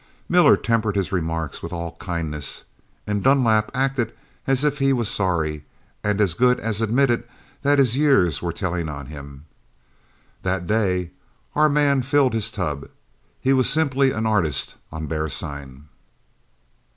Miller tempered his remarks with all kindness, and Dunlap acted as if he was sorry, and as good as admitted that his years were telling on him. That day our man filled his tub. He was simply an artist on bear sign."